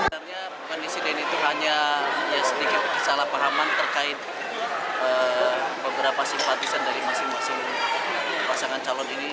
kami sedikit salah pahaman terkait beberapa simpatisan dari masing masing pasangan calon ini